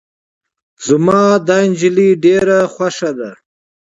زما دا نجلی ډیره خوښه ده.